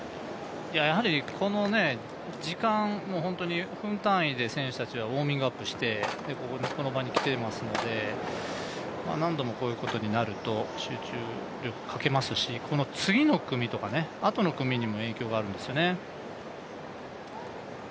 この時間、分単位で選手たちはウォーミングアップしてこの場に来ていますので、何度もこういうことになると集中力、欠けますしこの次の組とかあとの組にも影響があるんですよね。